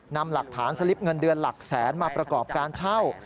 นำหลักฐานสลิปเงินเดือนหลักแสนมาประกอบการเช่า